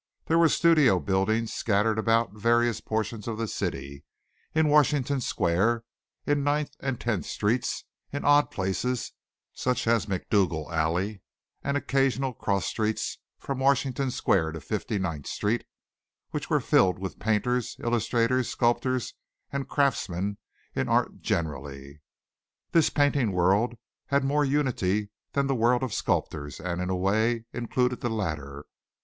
There were studio buildings scattered about various portions of the city; in Washington Square; in Ninth and Tenth Streets; in odd places, such as Macdougal Alley and occasional cross streets from Washington Square to Fifty ninth Street, which were filled with painters, illustrators, sculptors and craftsmen in art generally. This painting world had more unity than the world of sculptors and, in a way, included the latter.